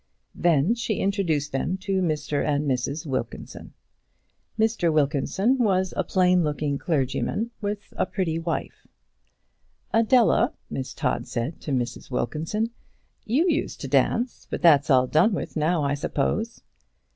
Then she introduced them to Mr and Mrs Wilkinson. Mr Wilkinson was a plain looking clergyman, with a very pretty wife. "Adela," Miss Todd said to Mrs Wilkinson, "you used to dance, but that's all done with now, I suppose."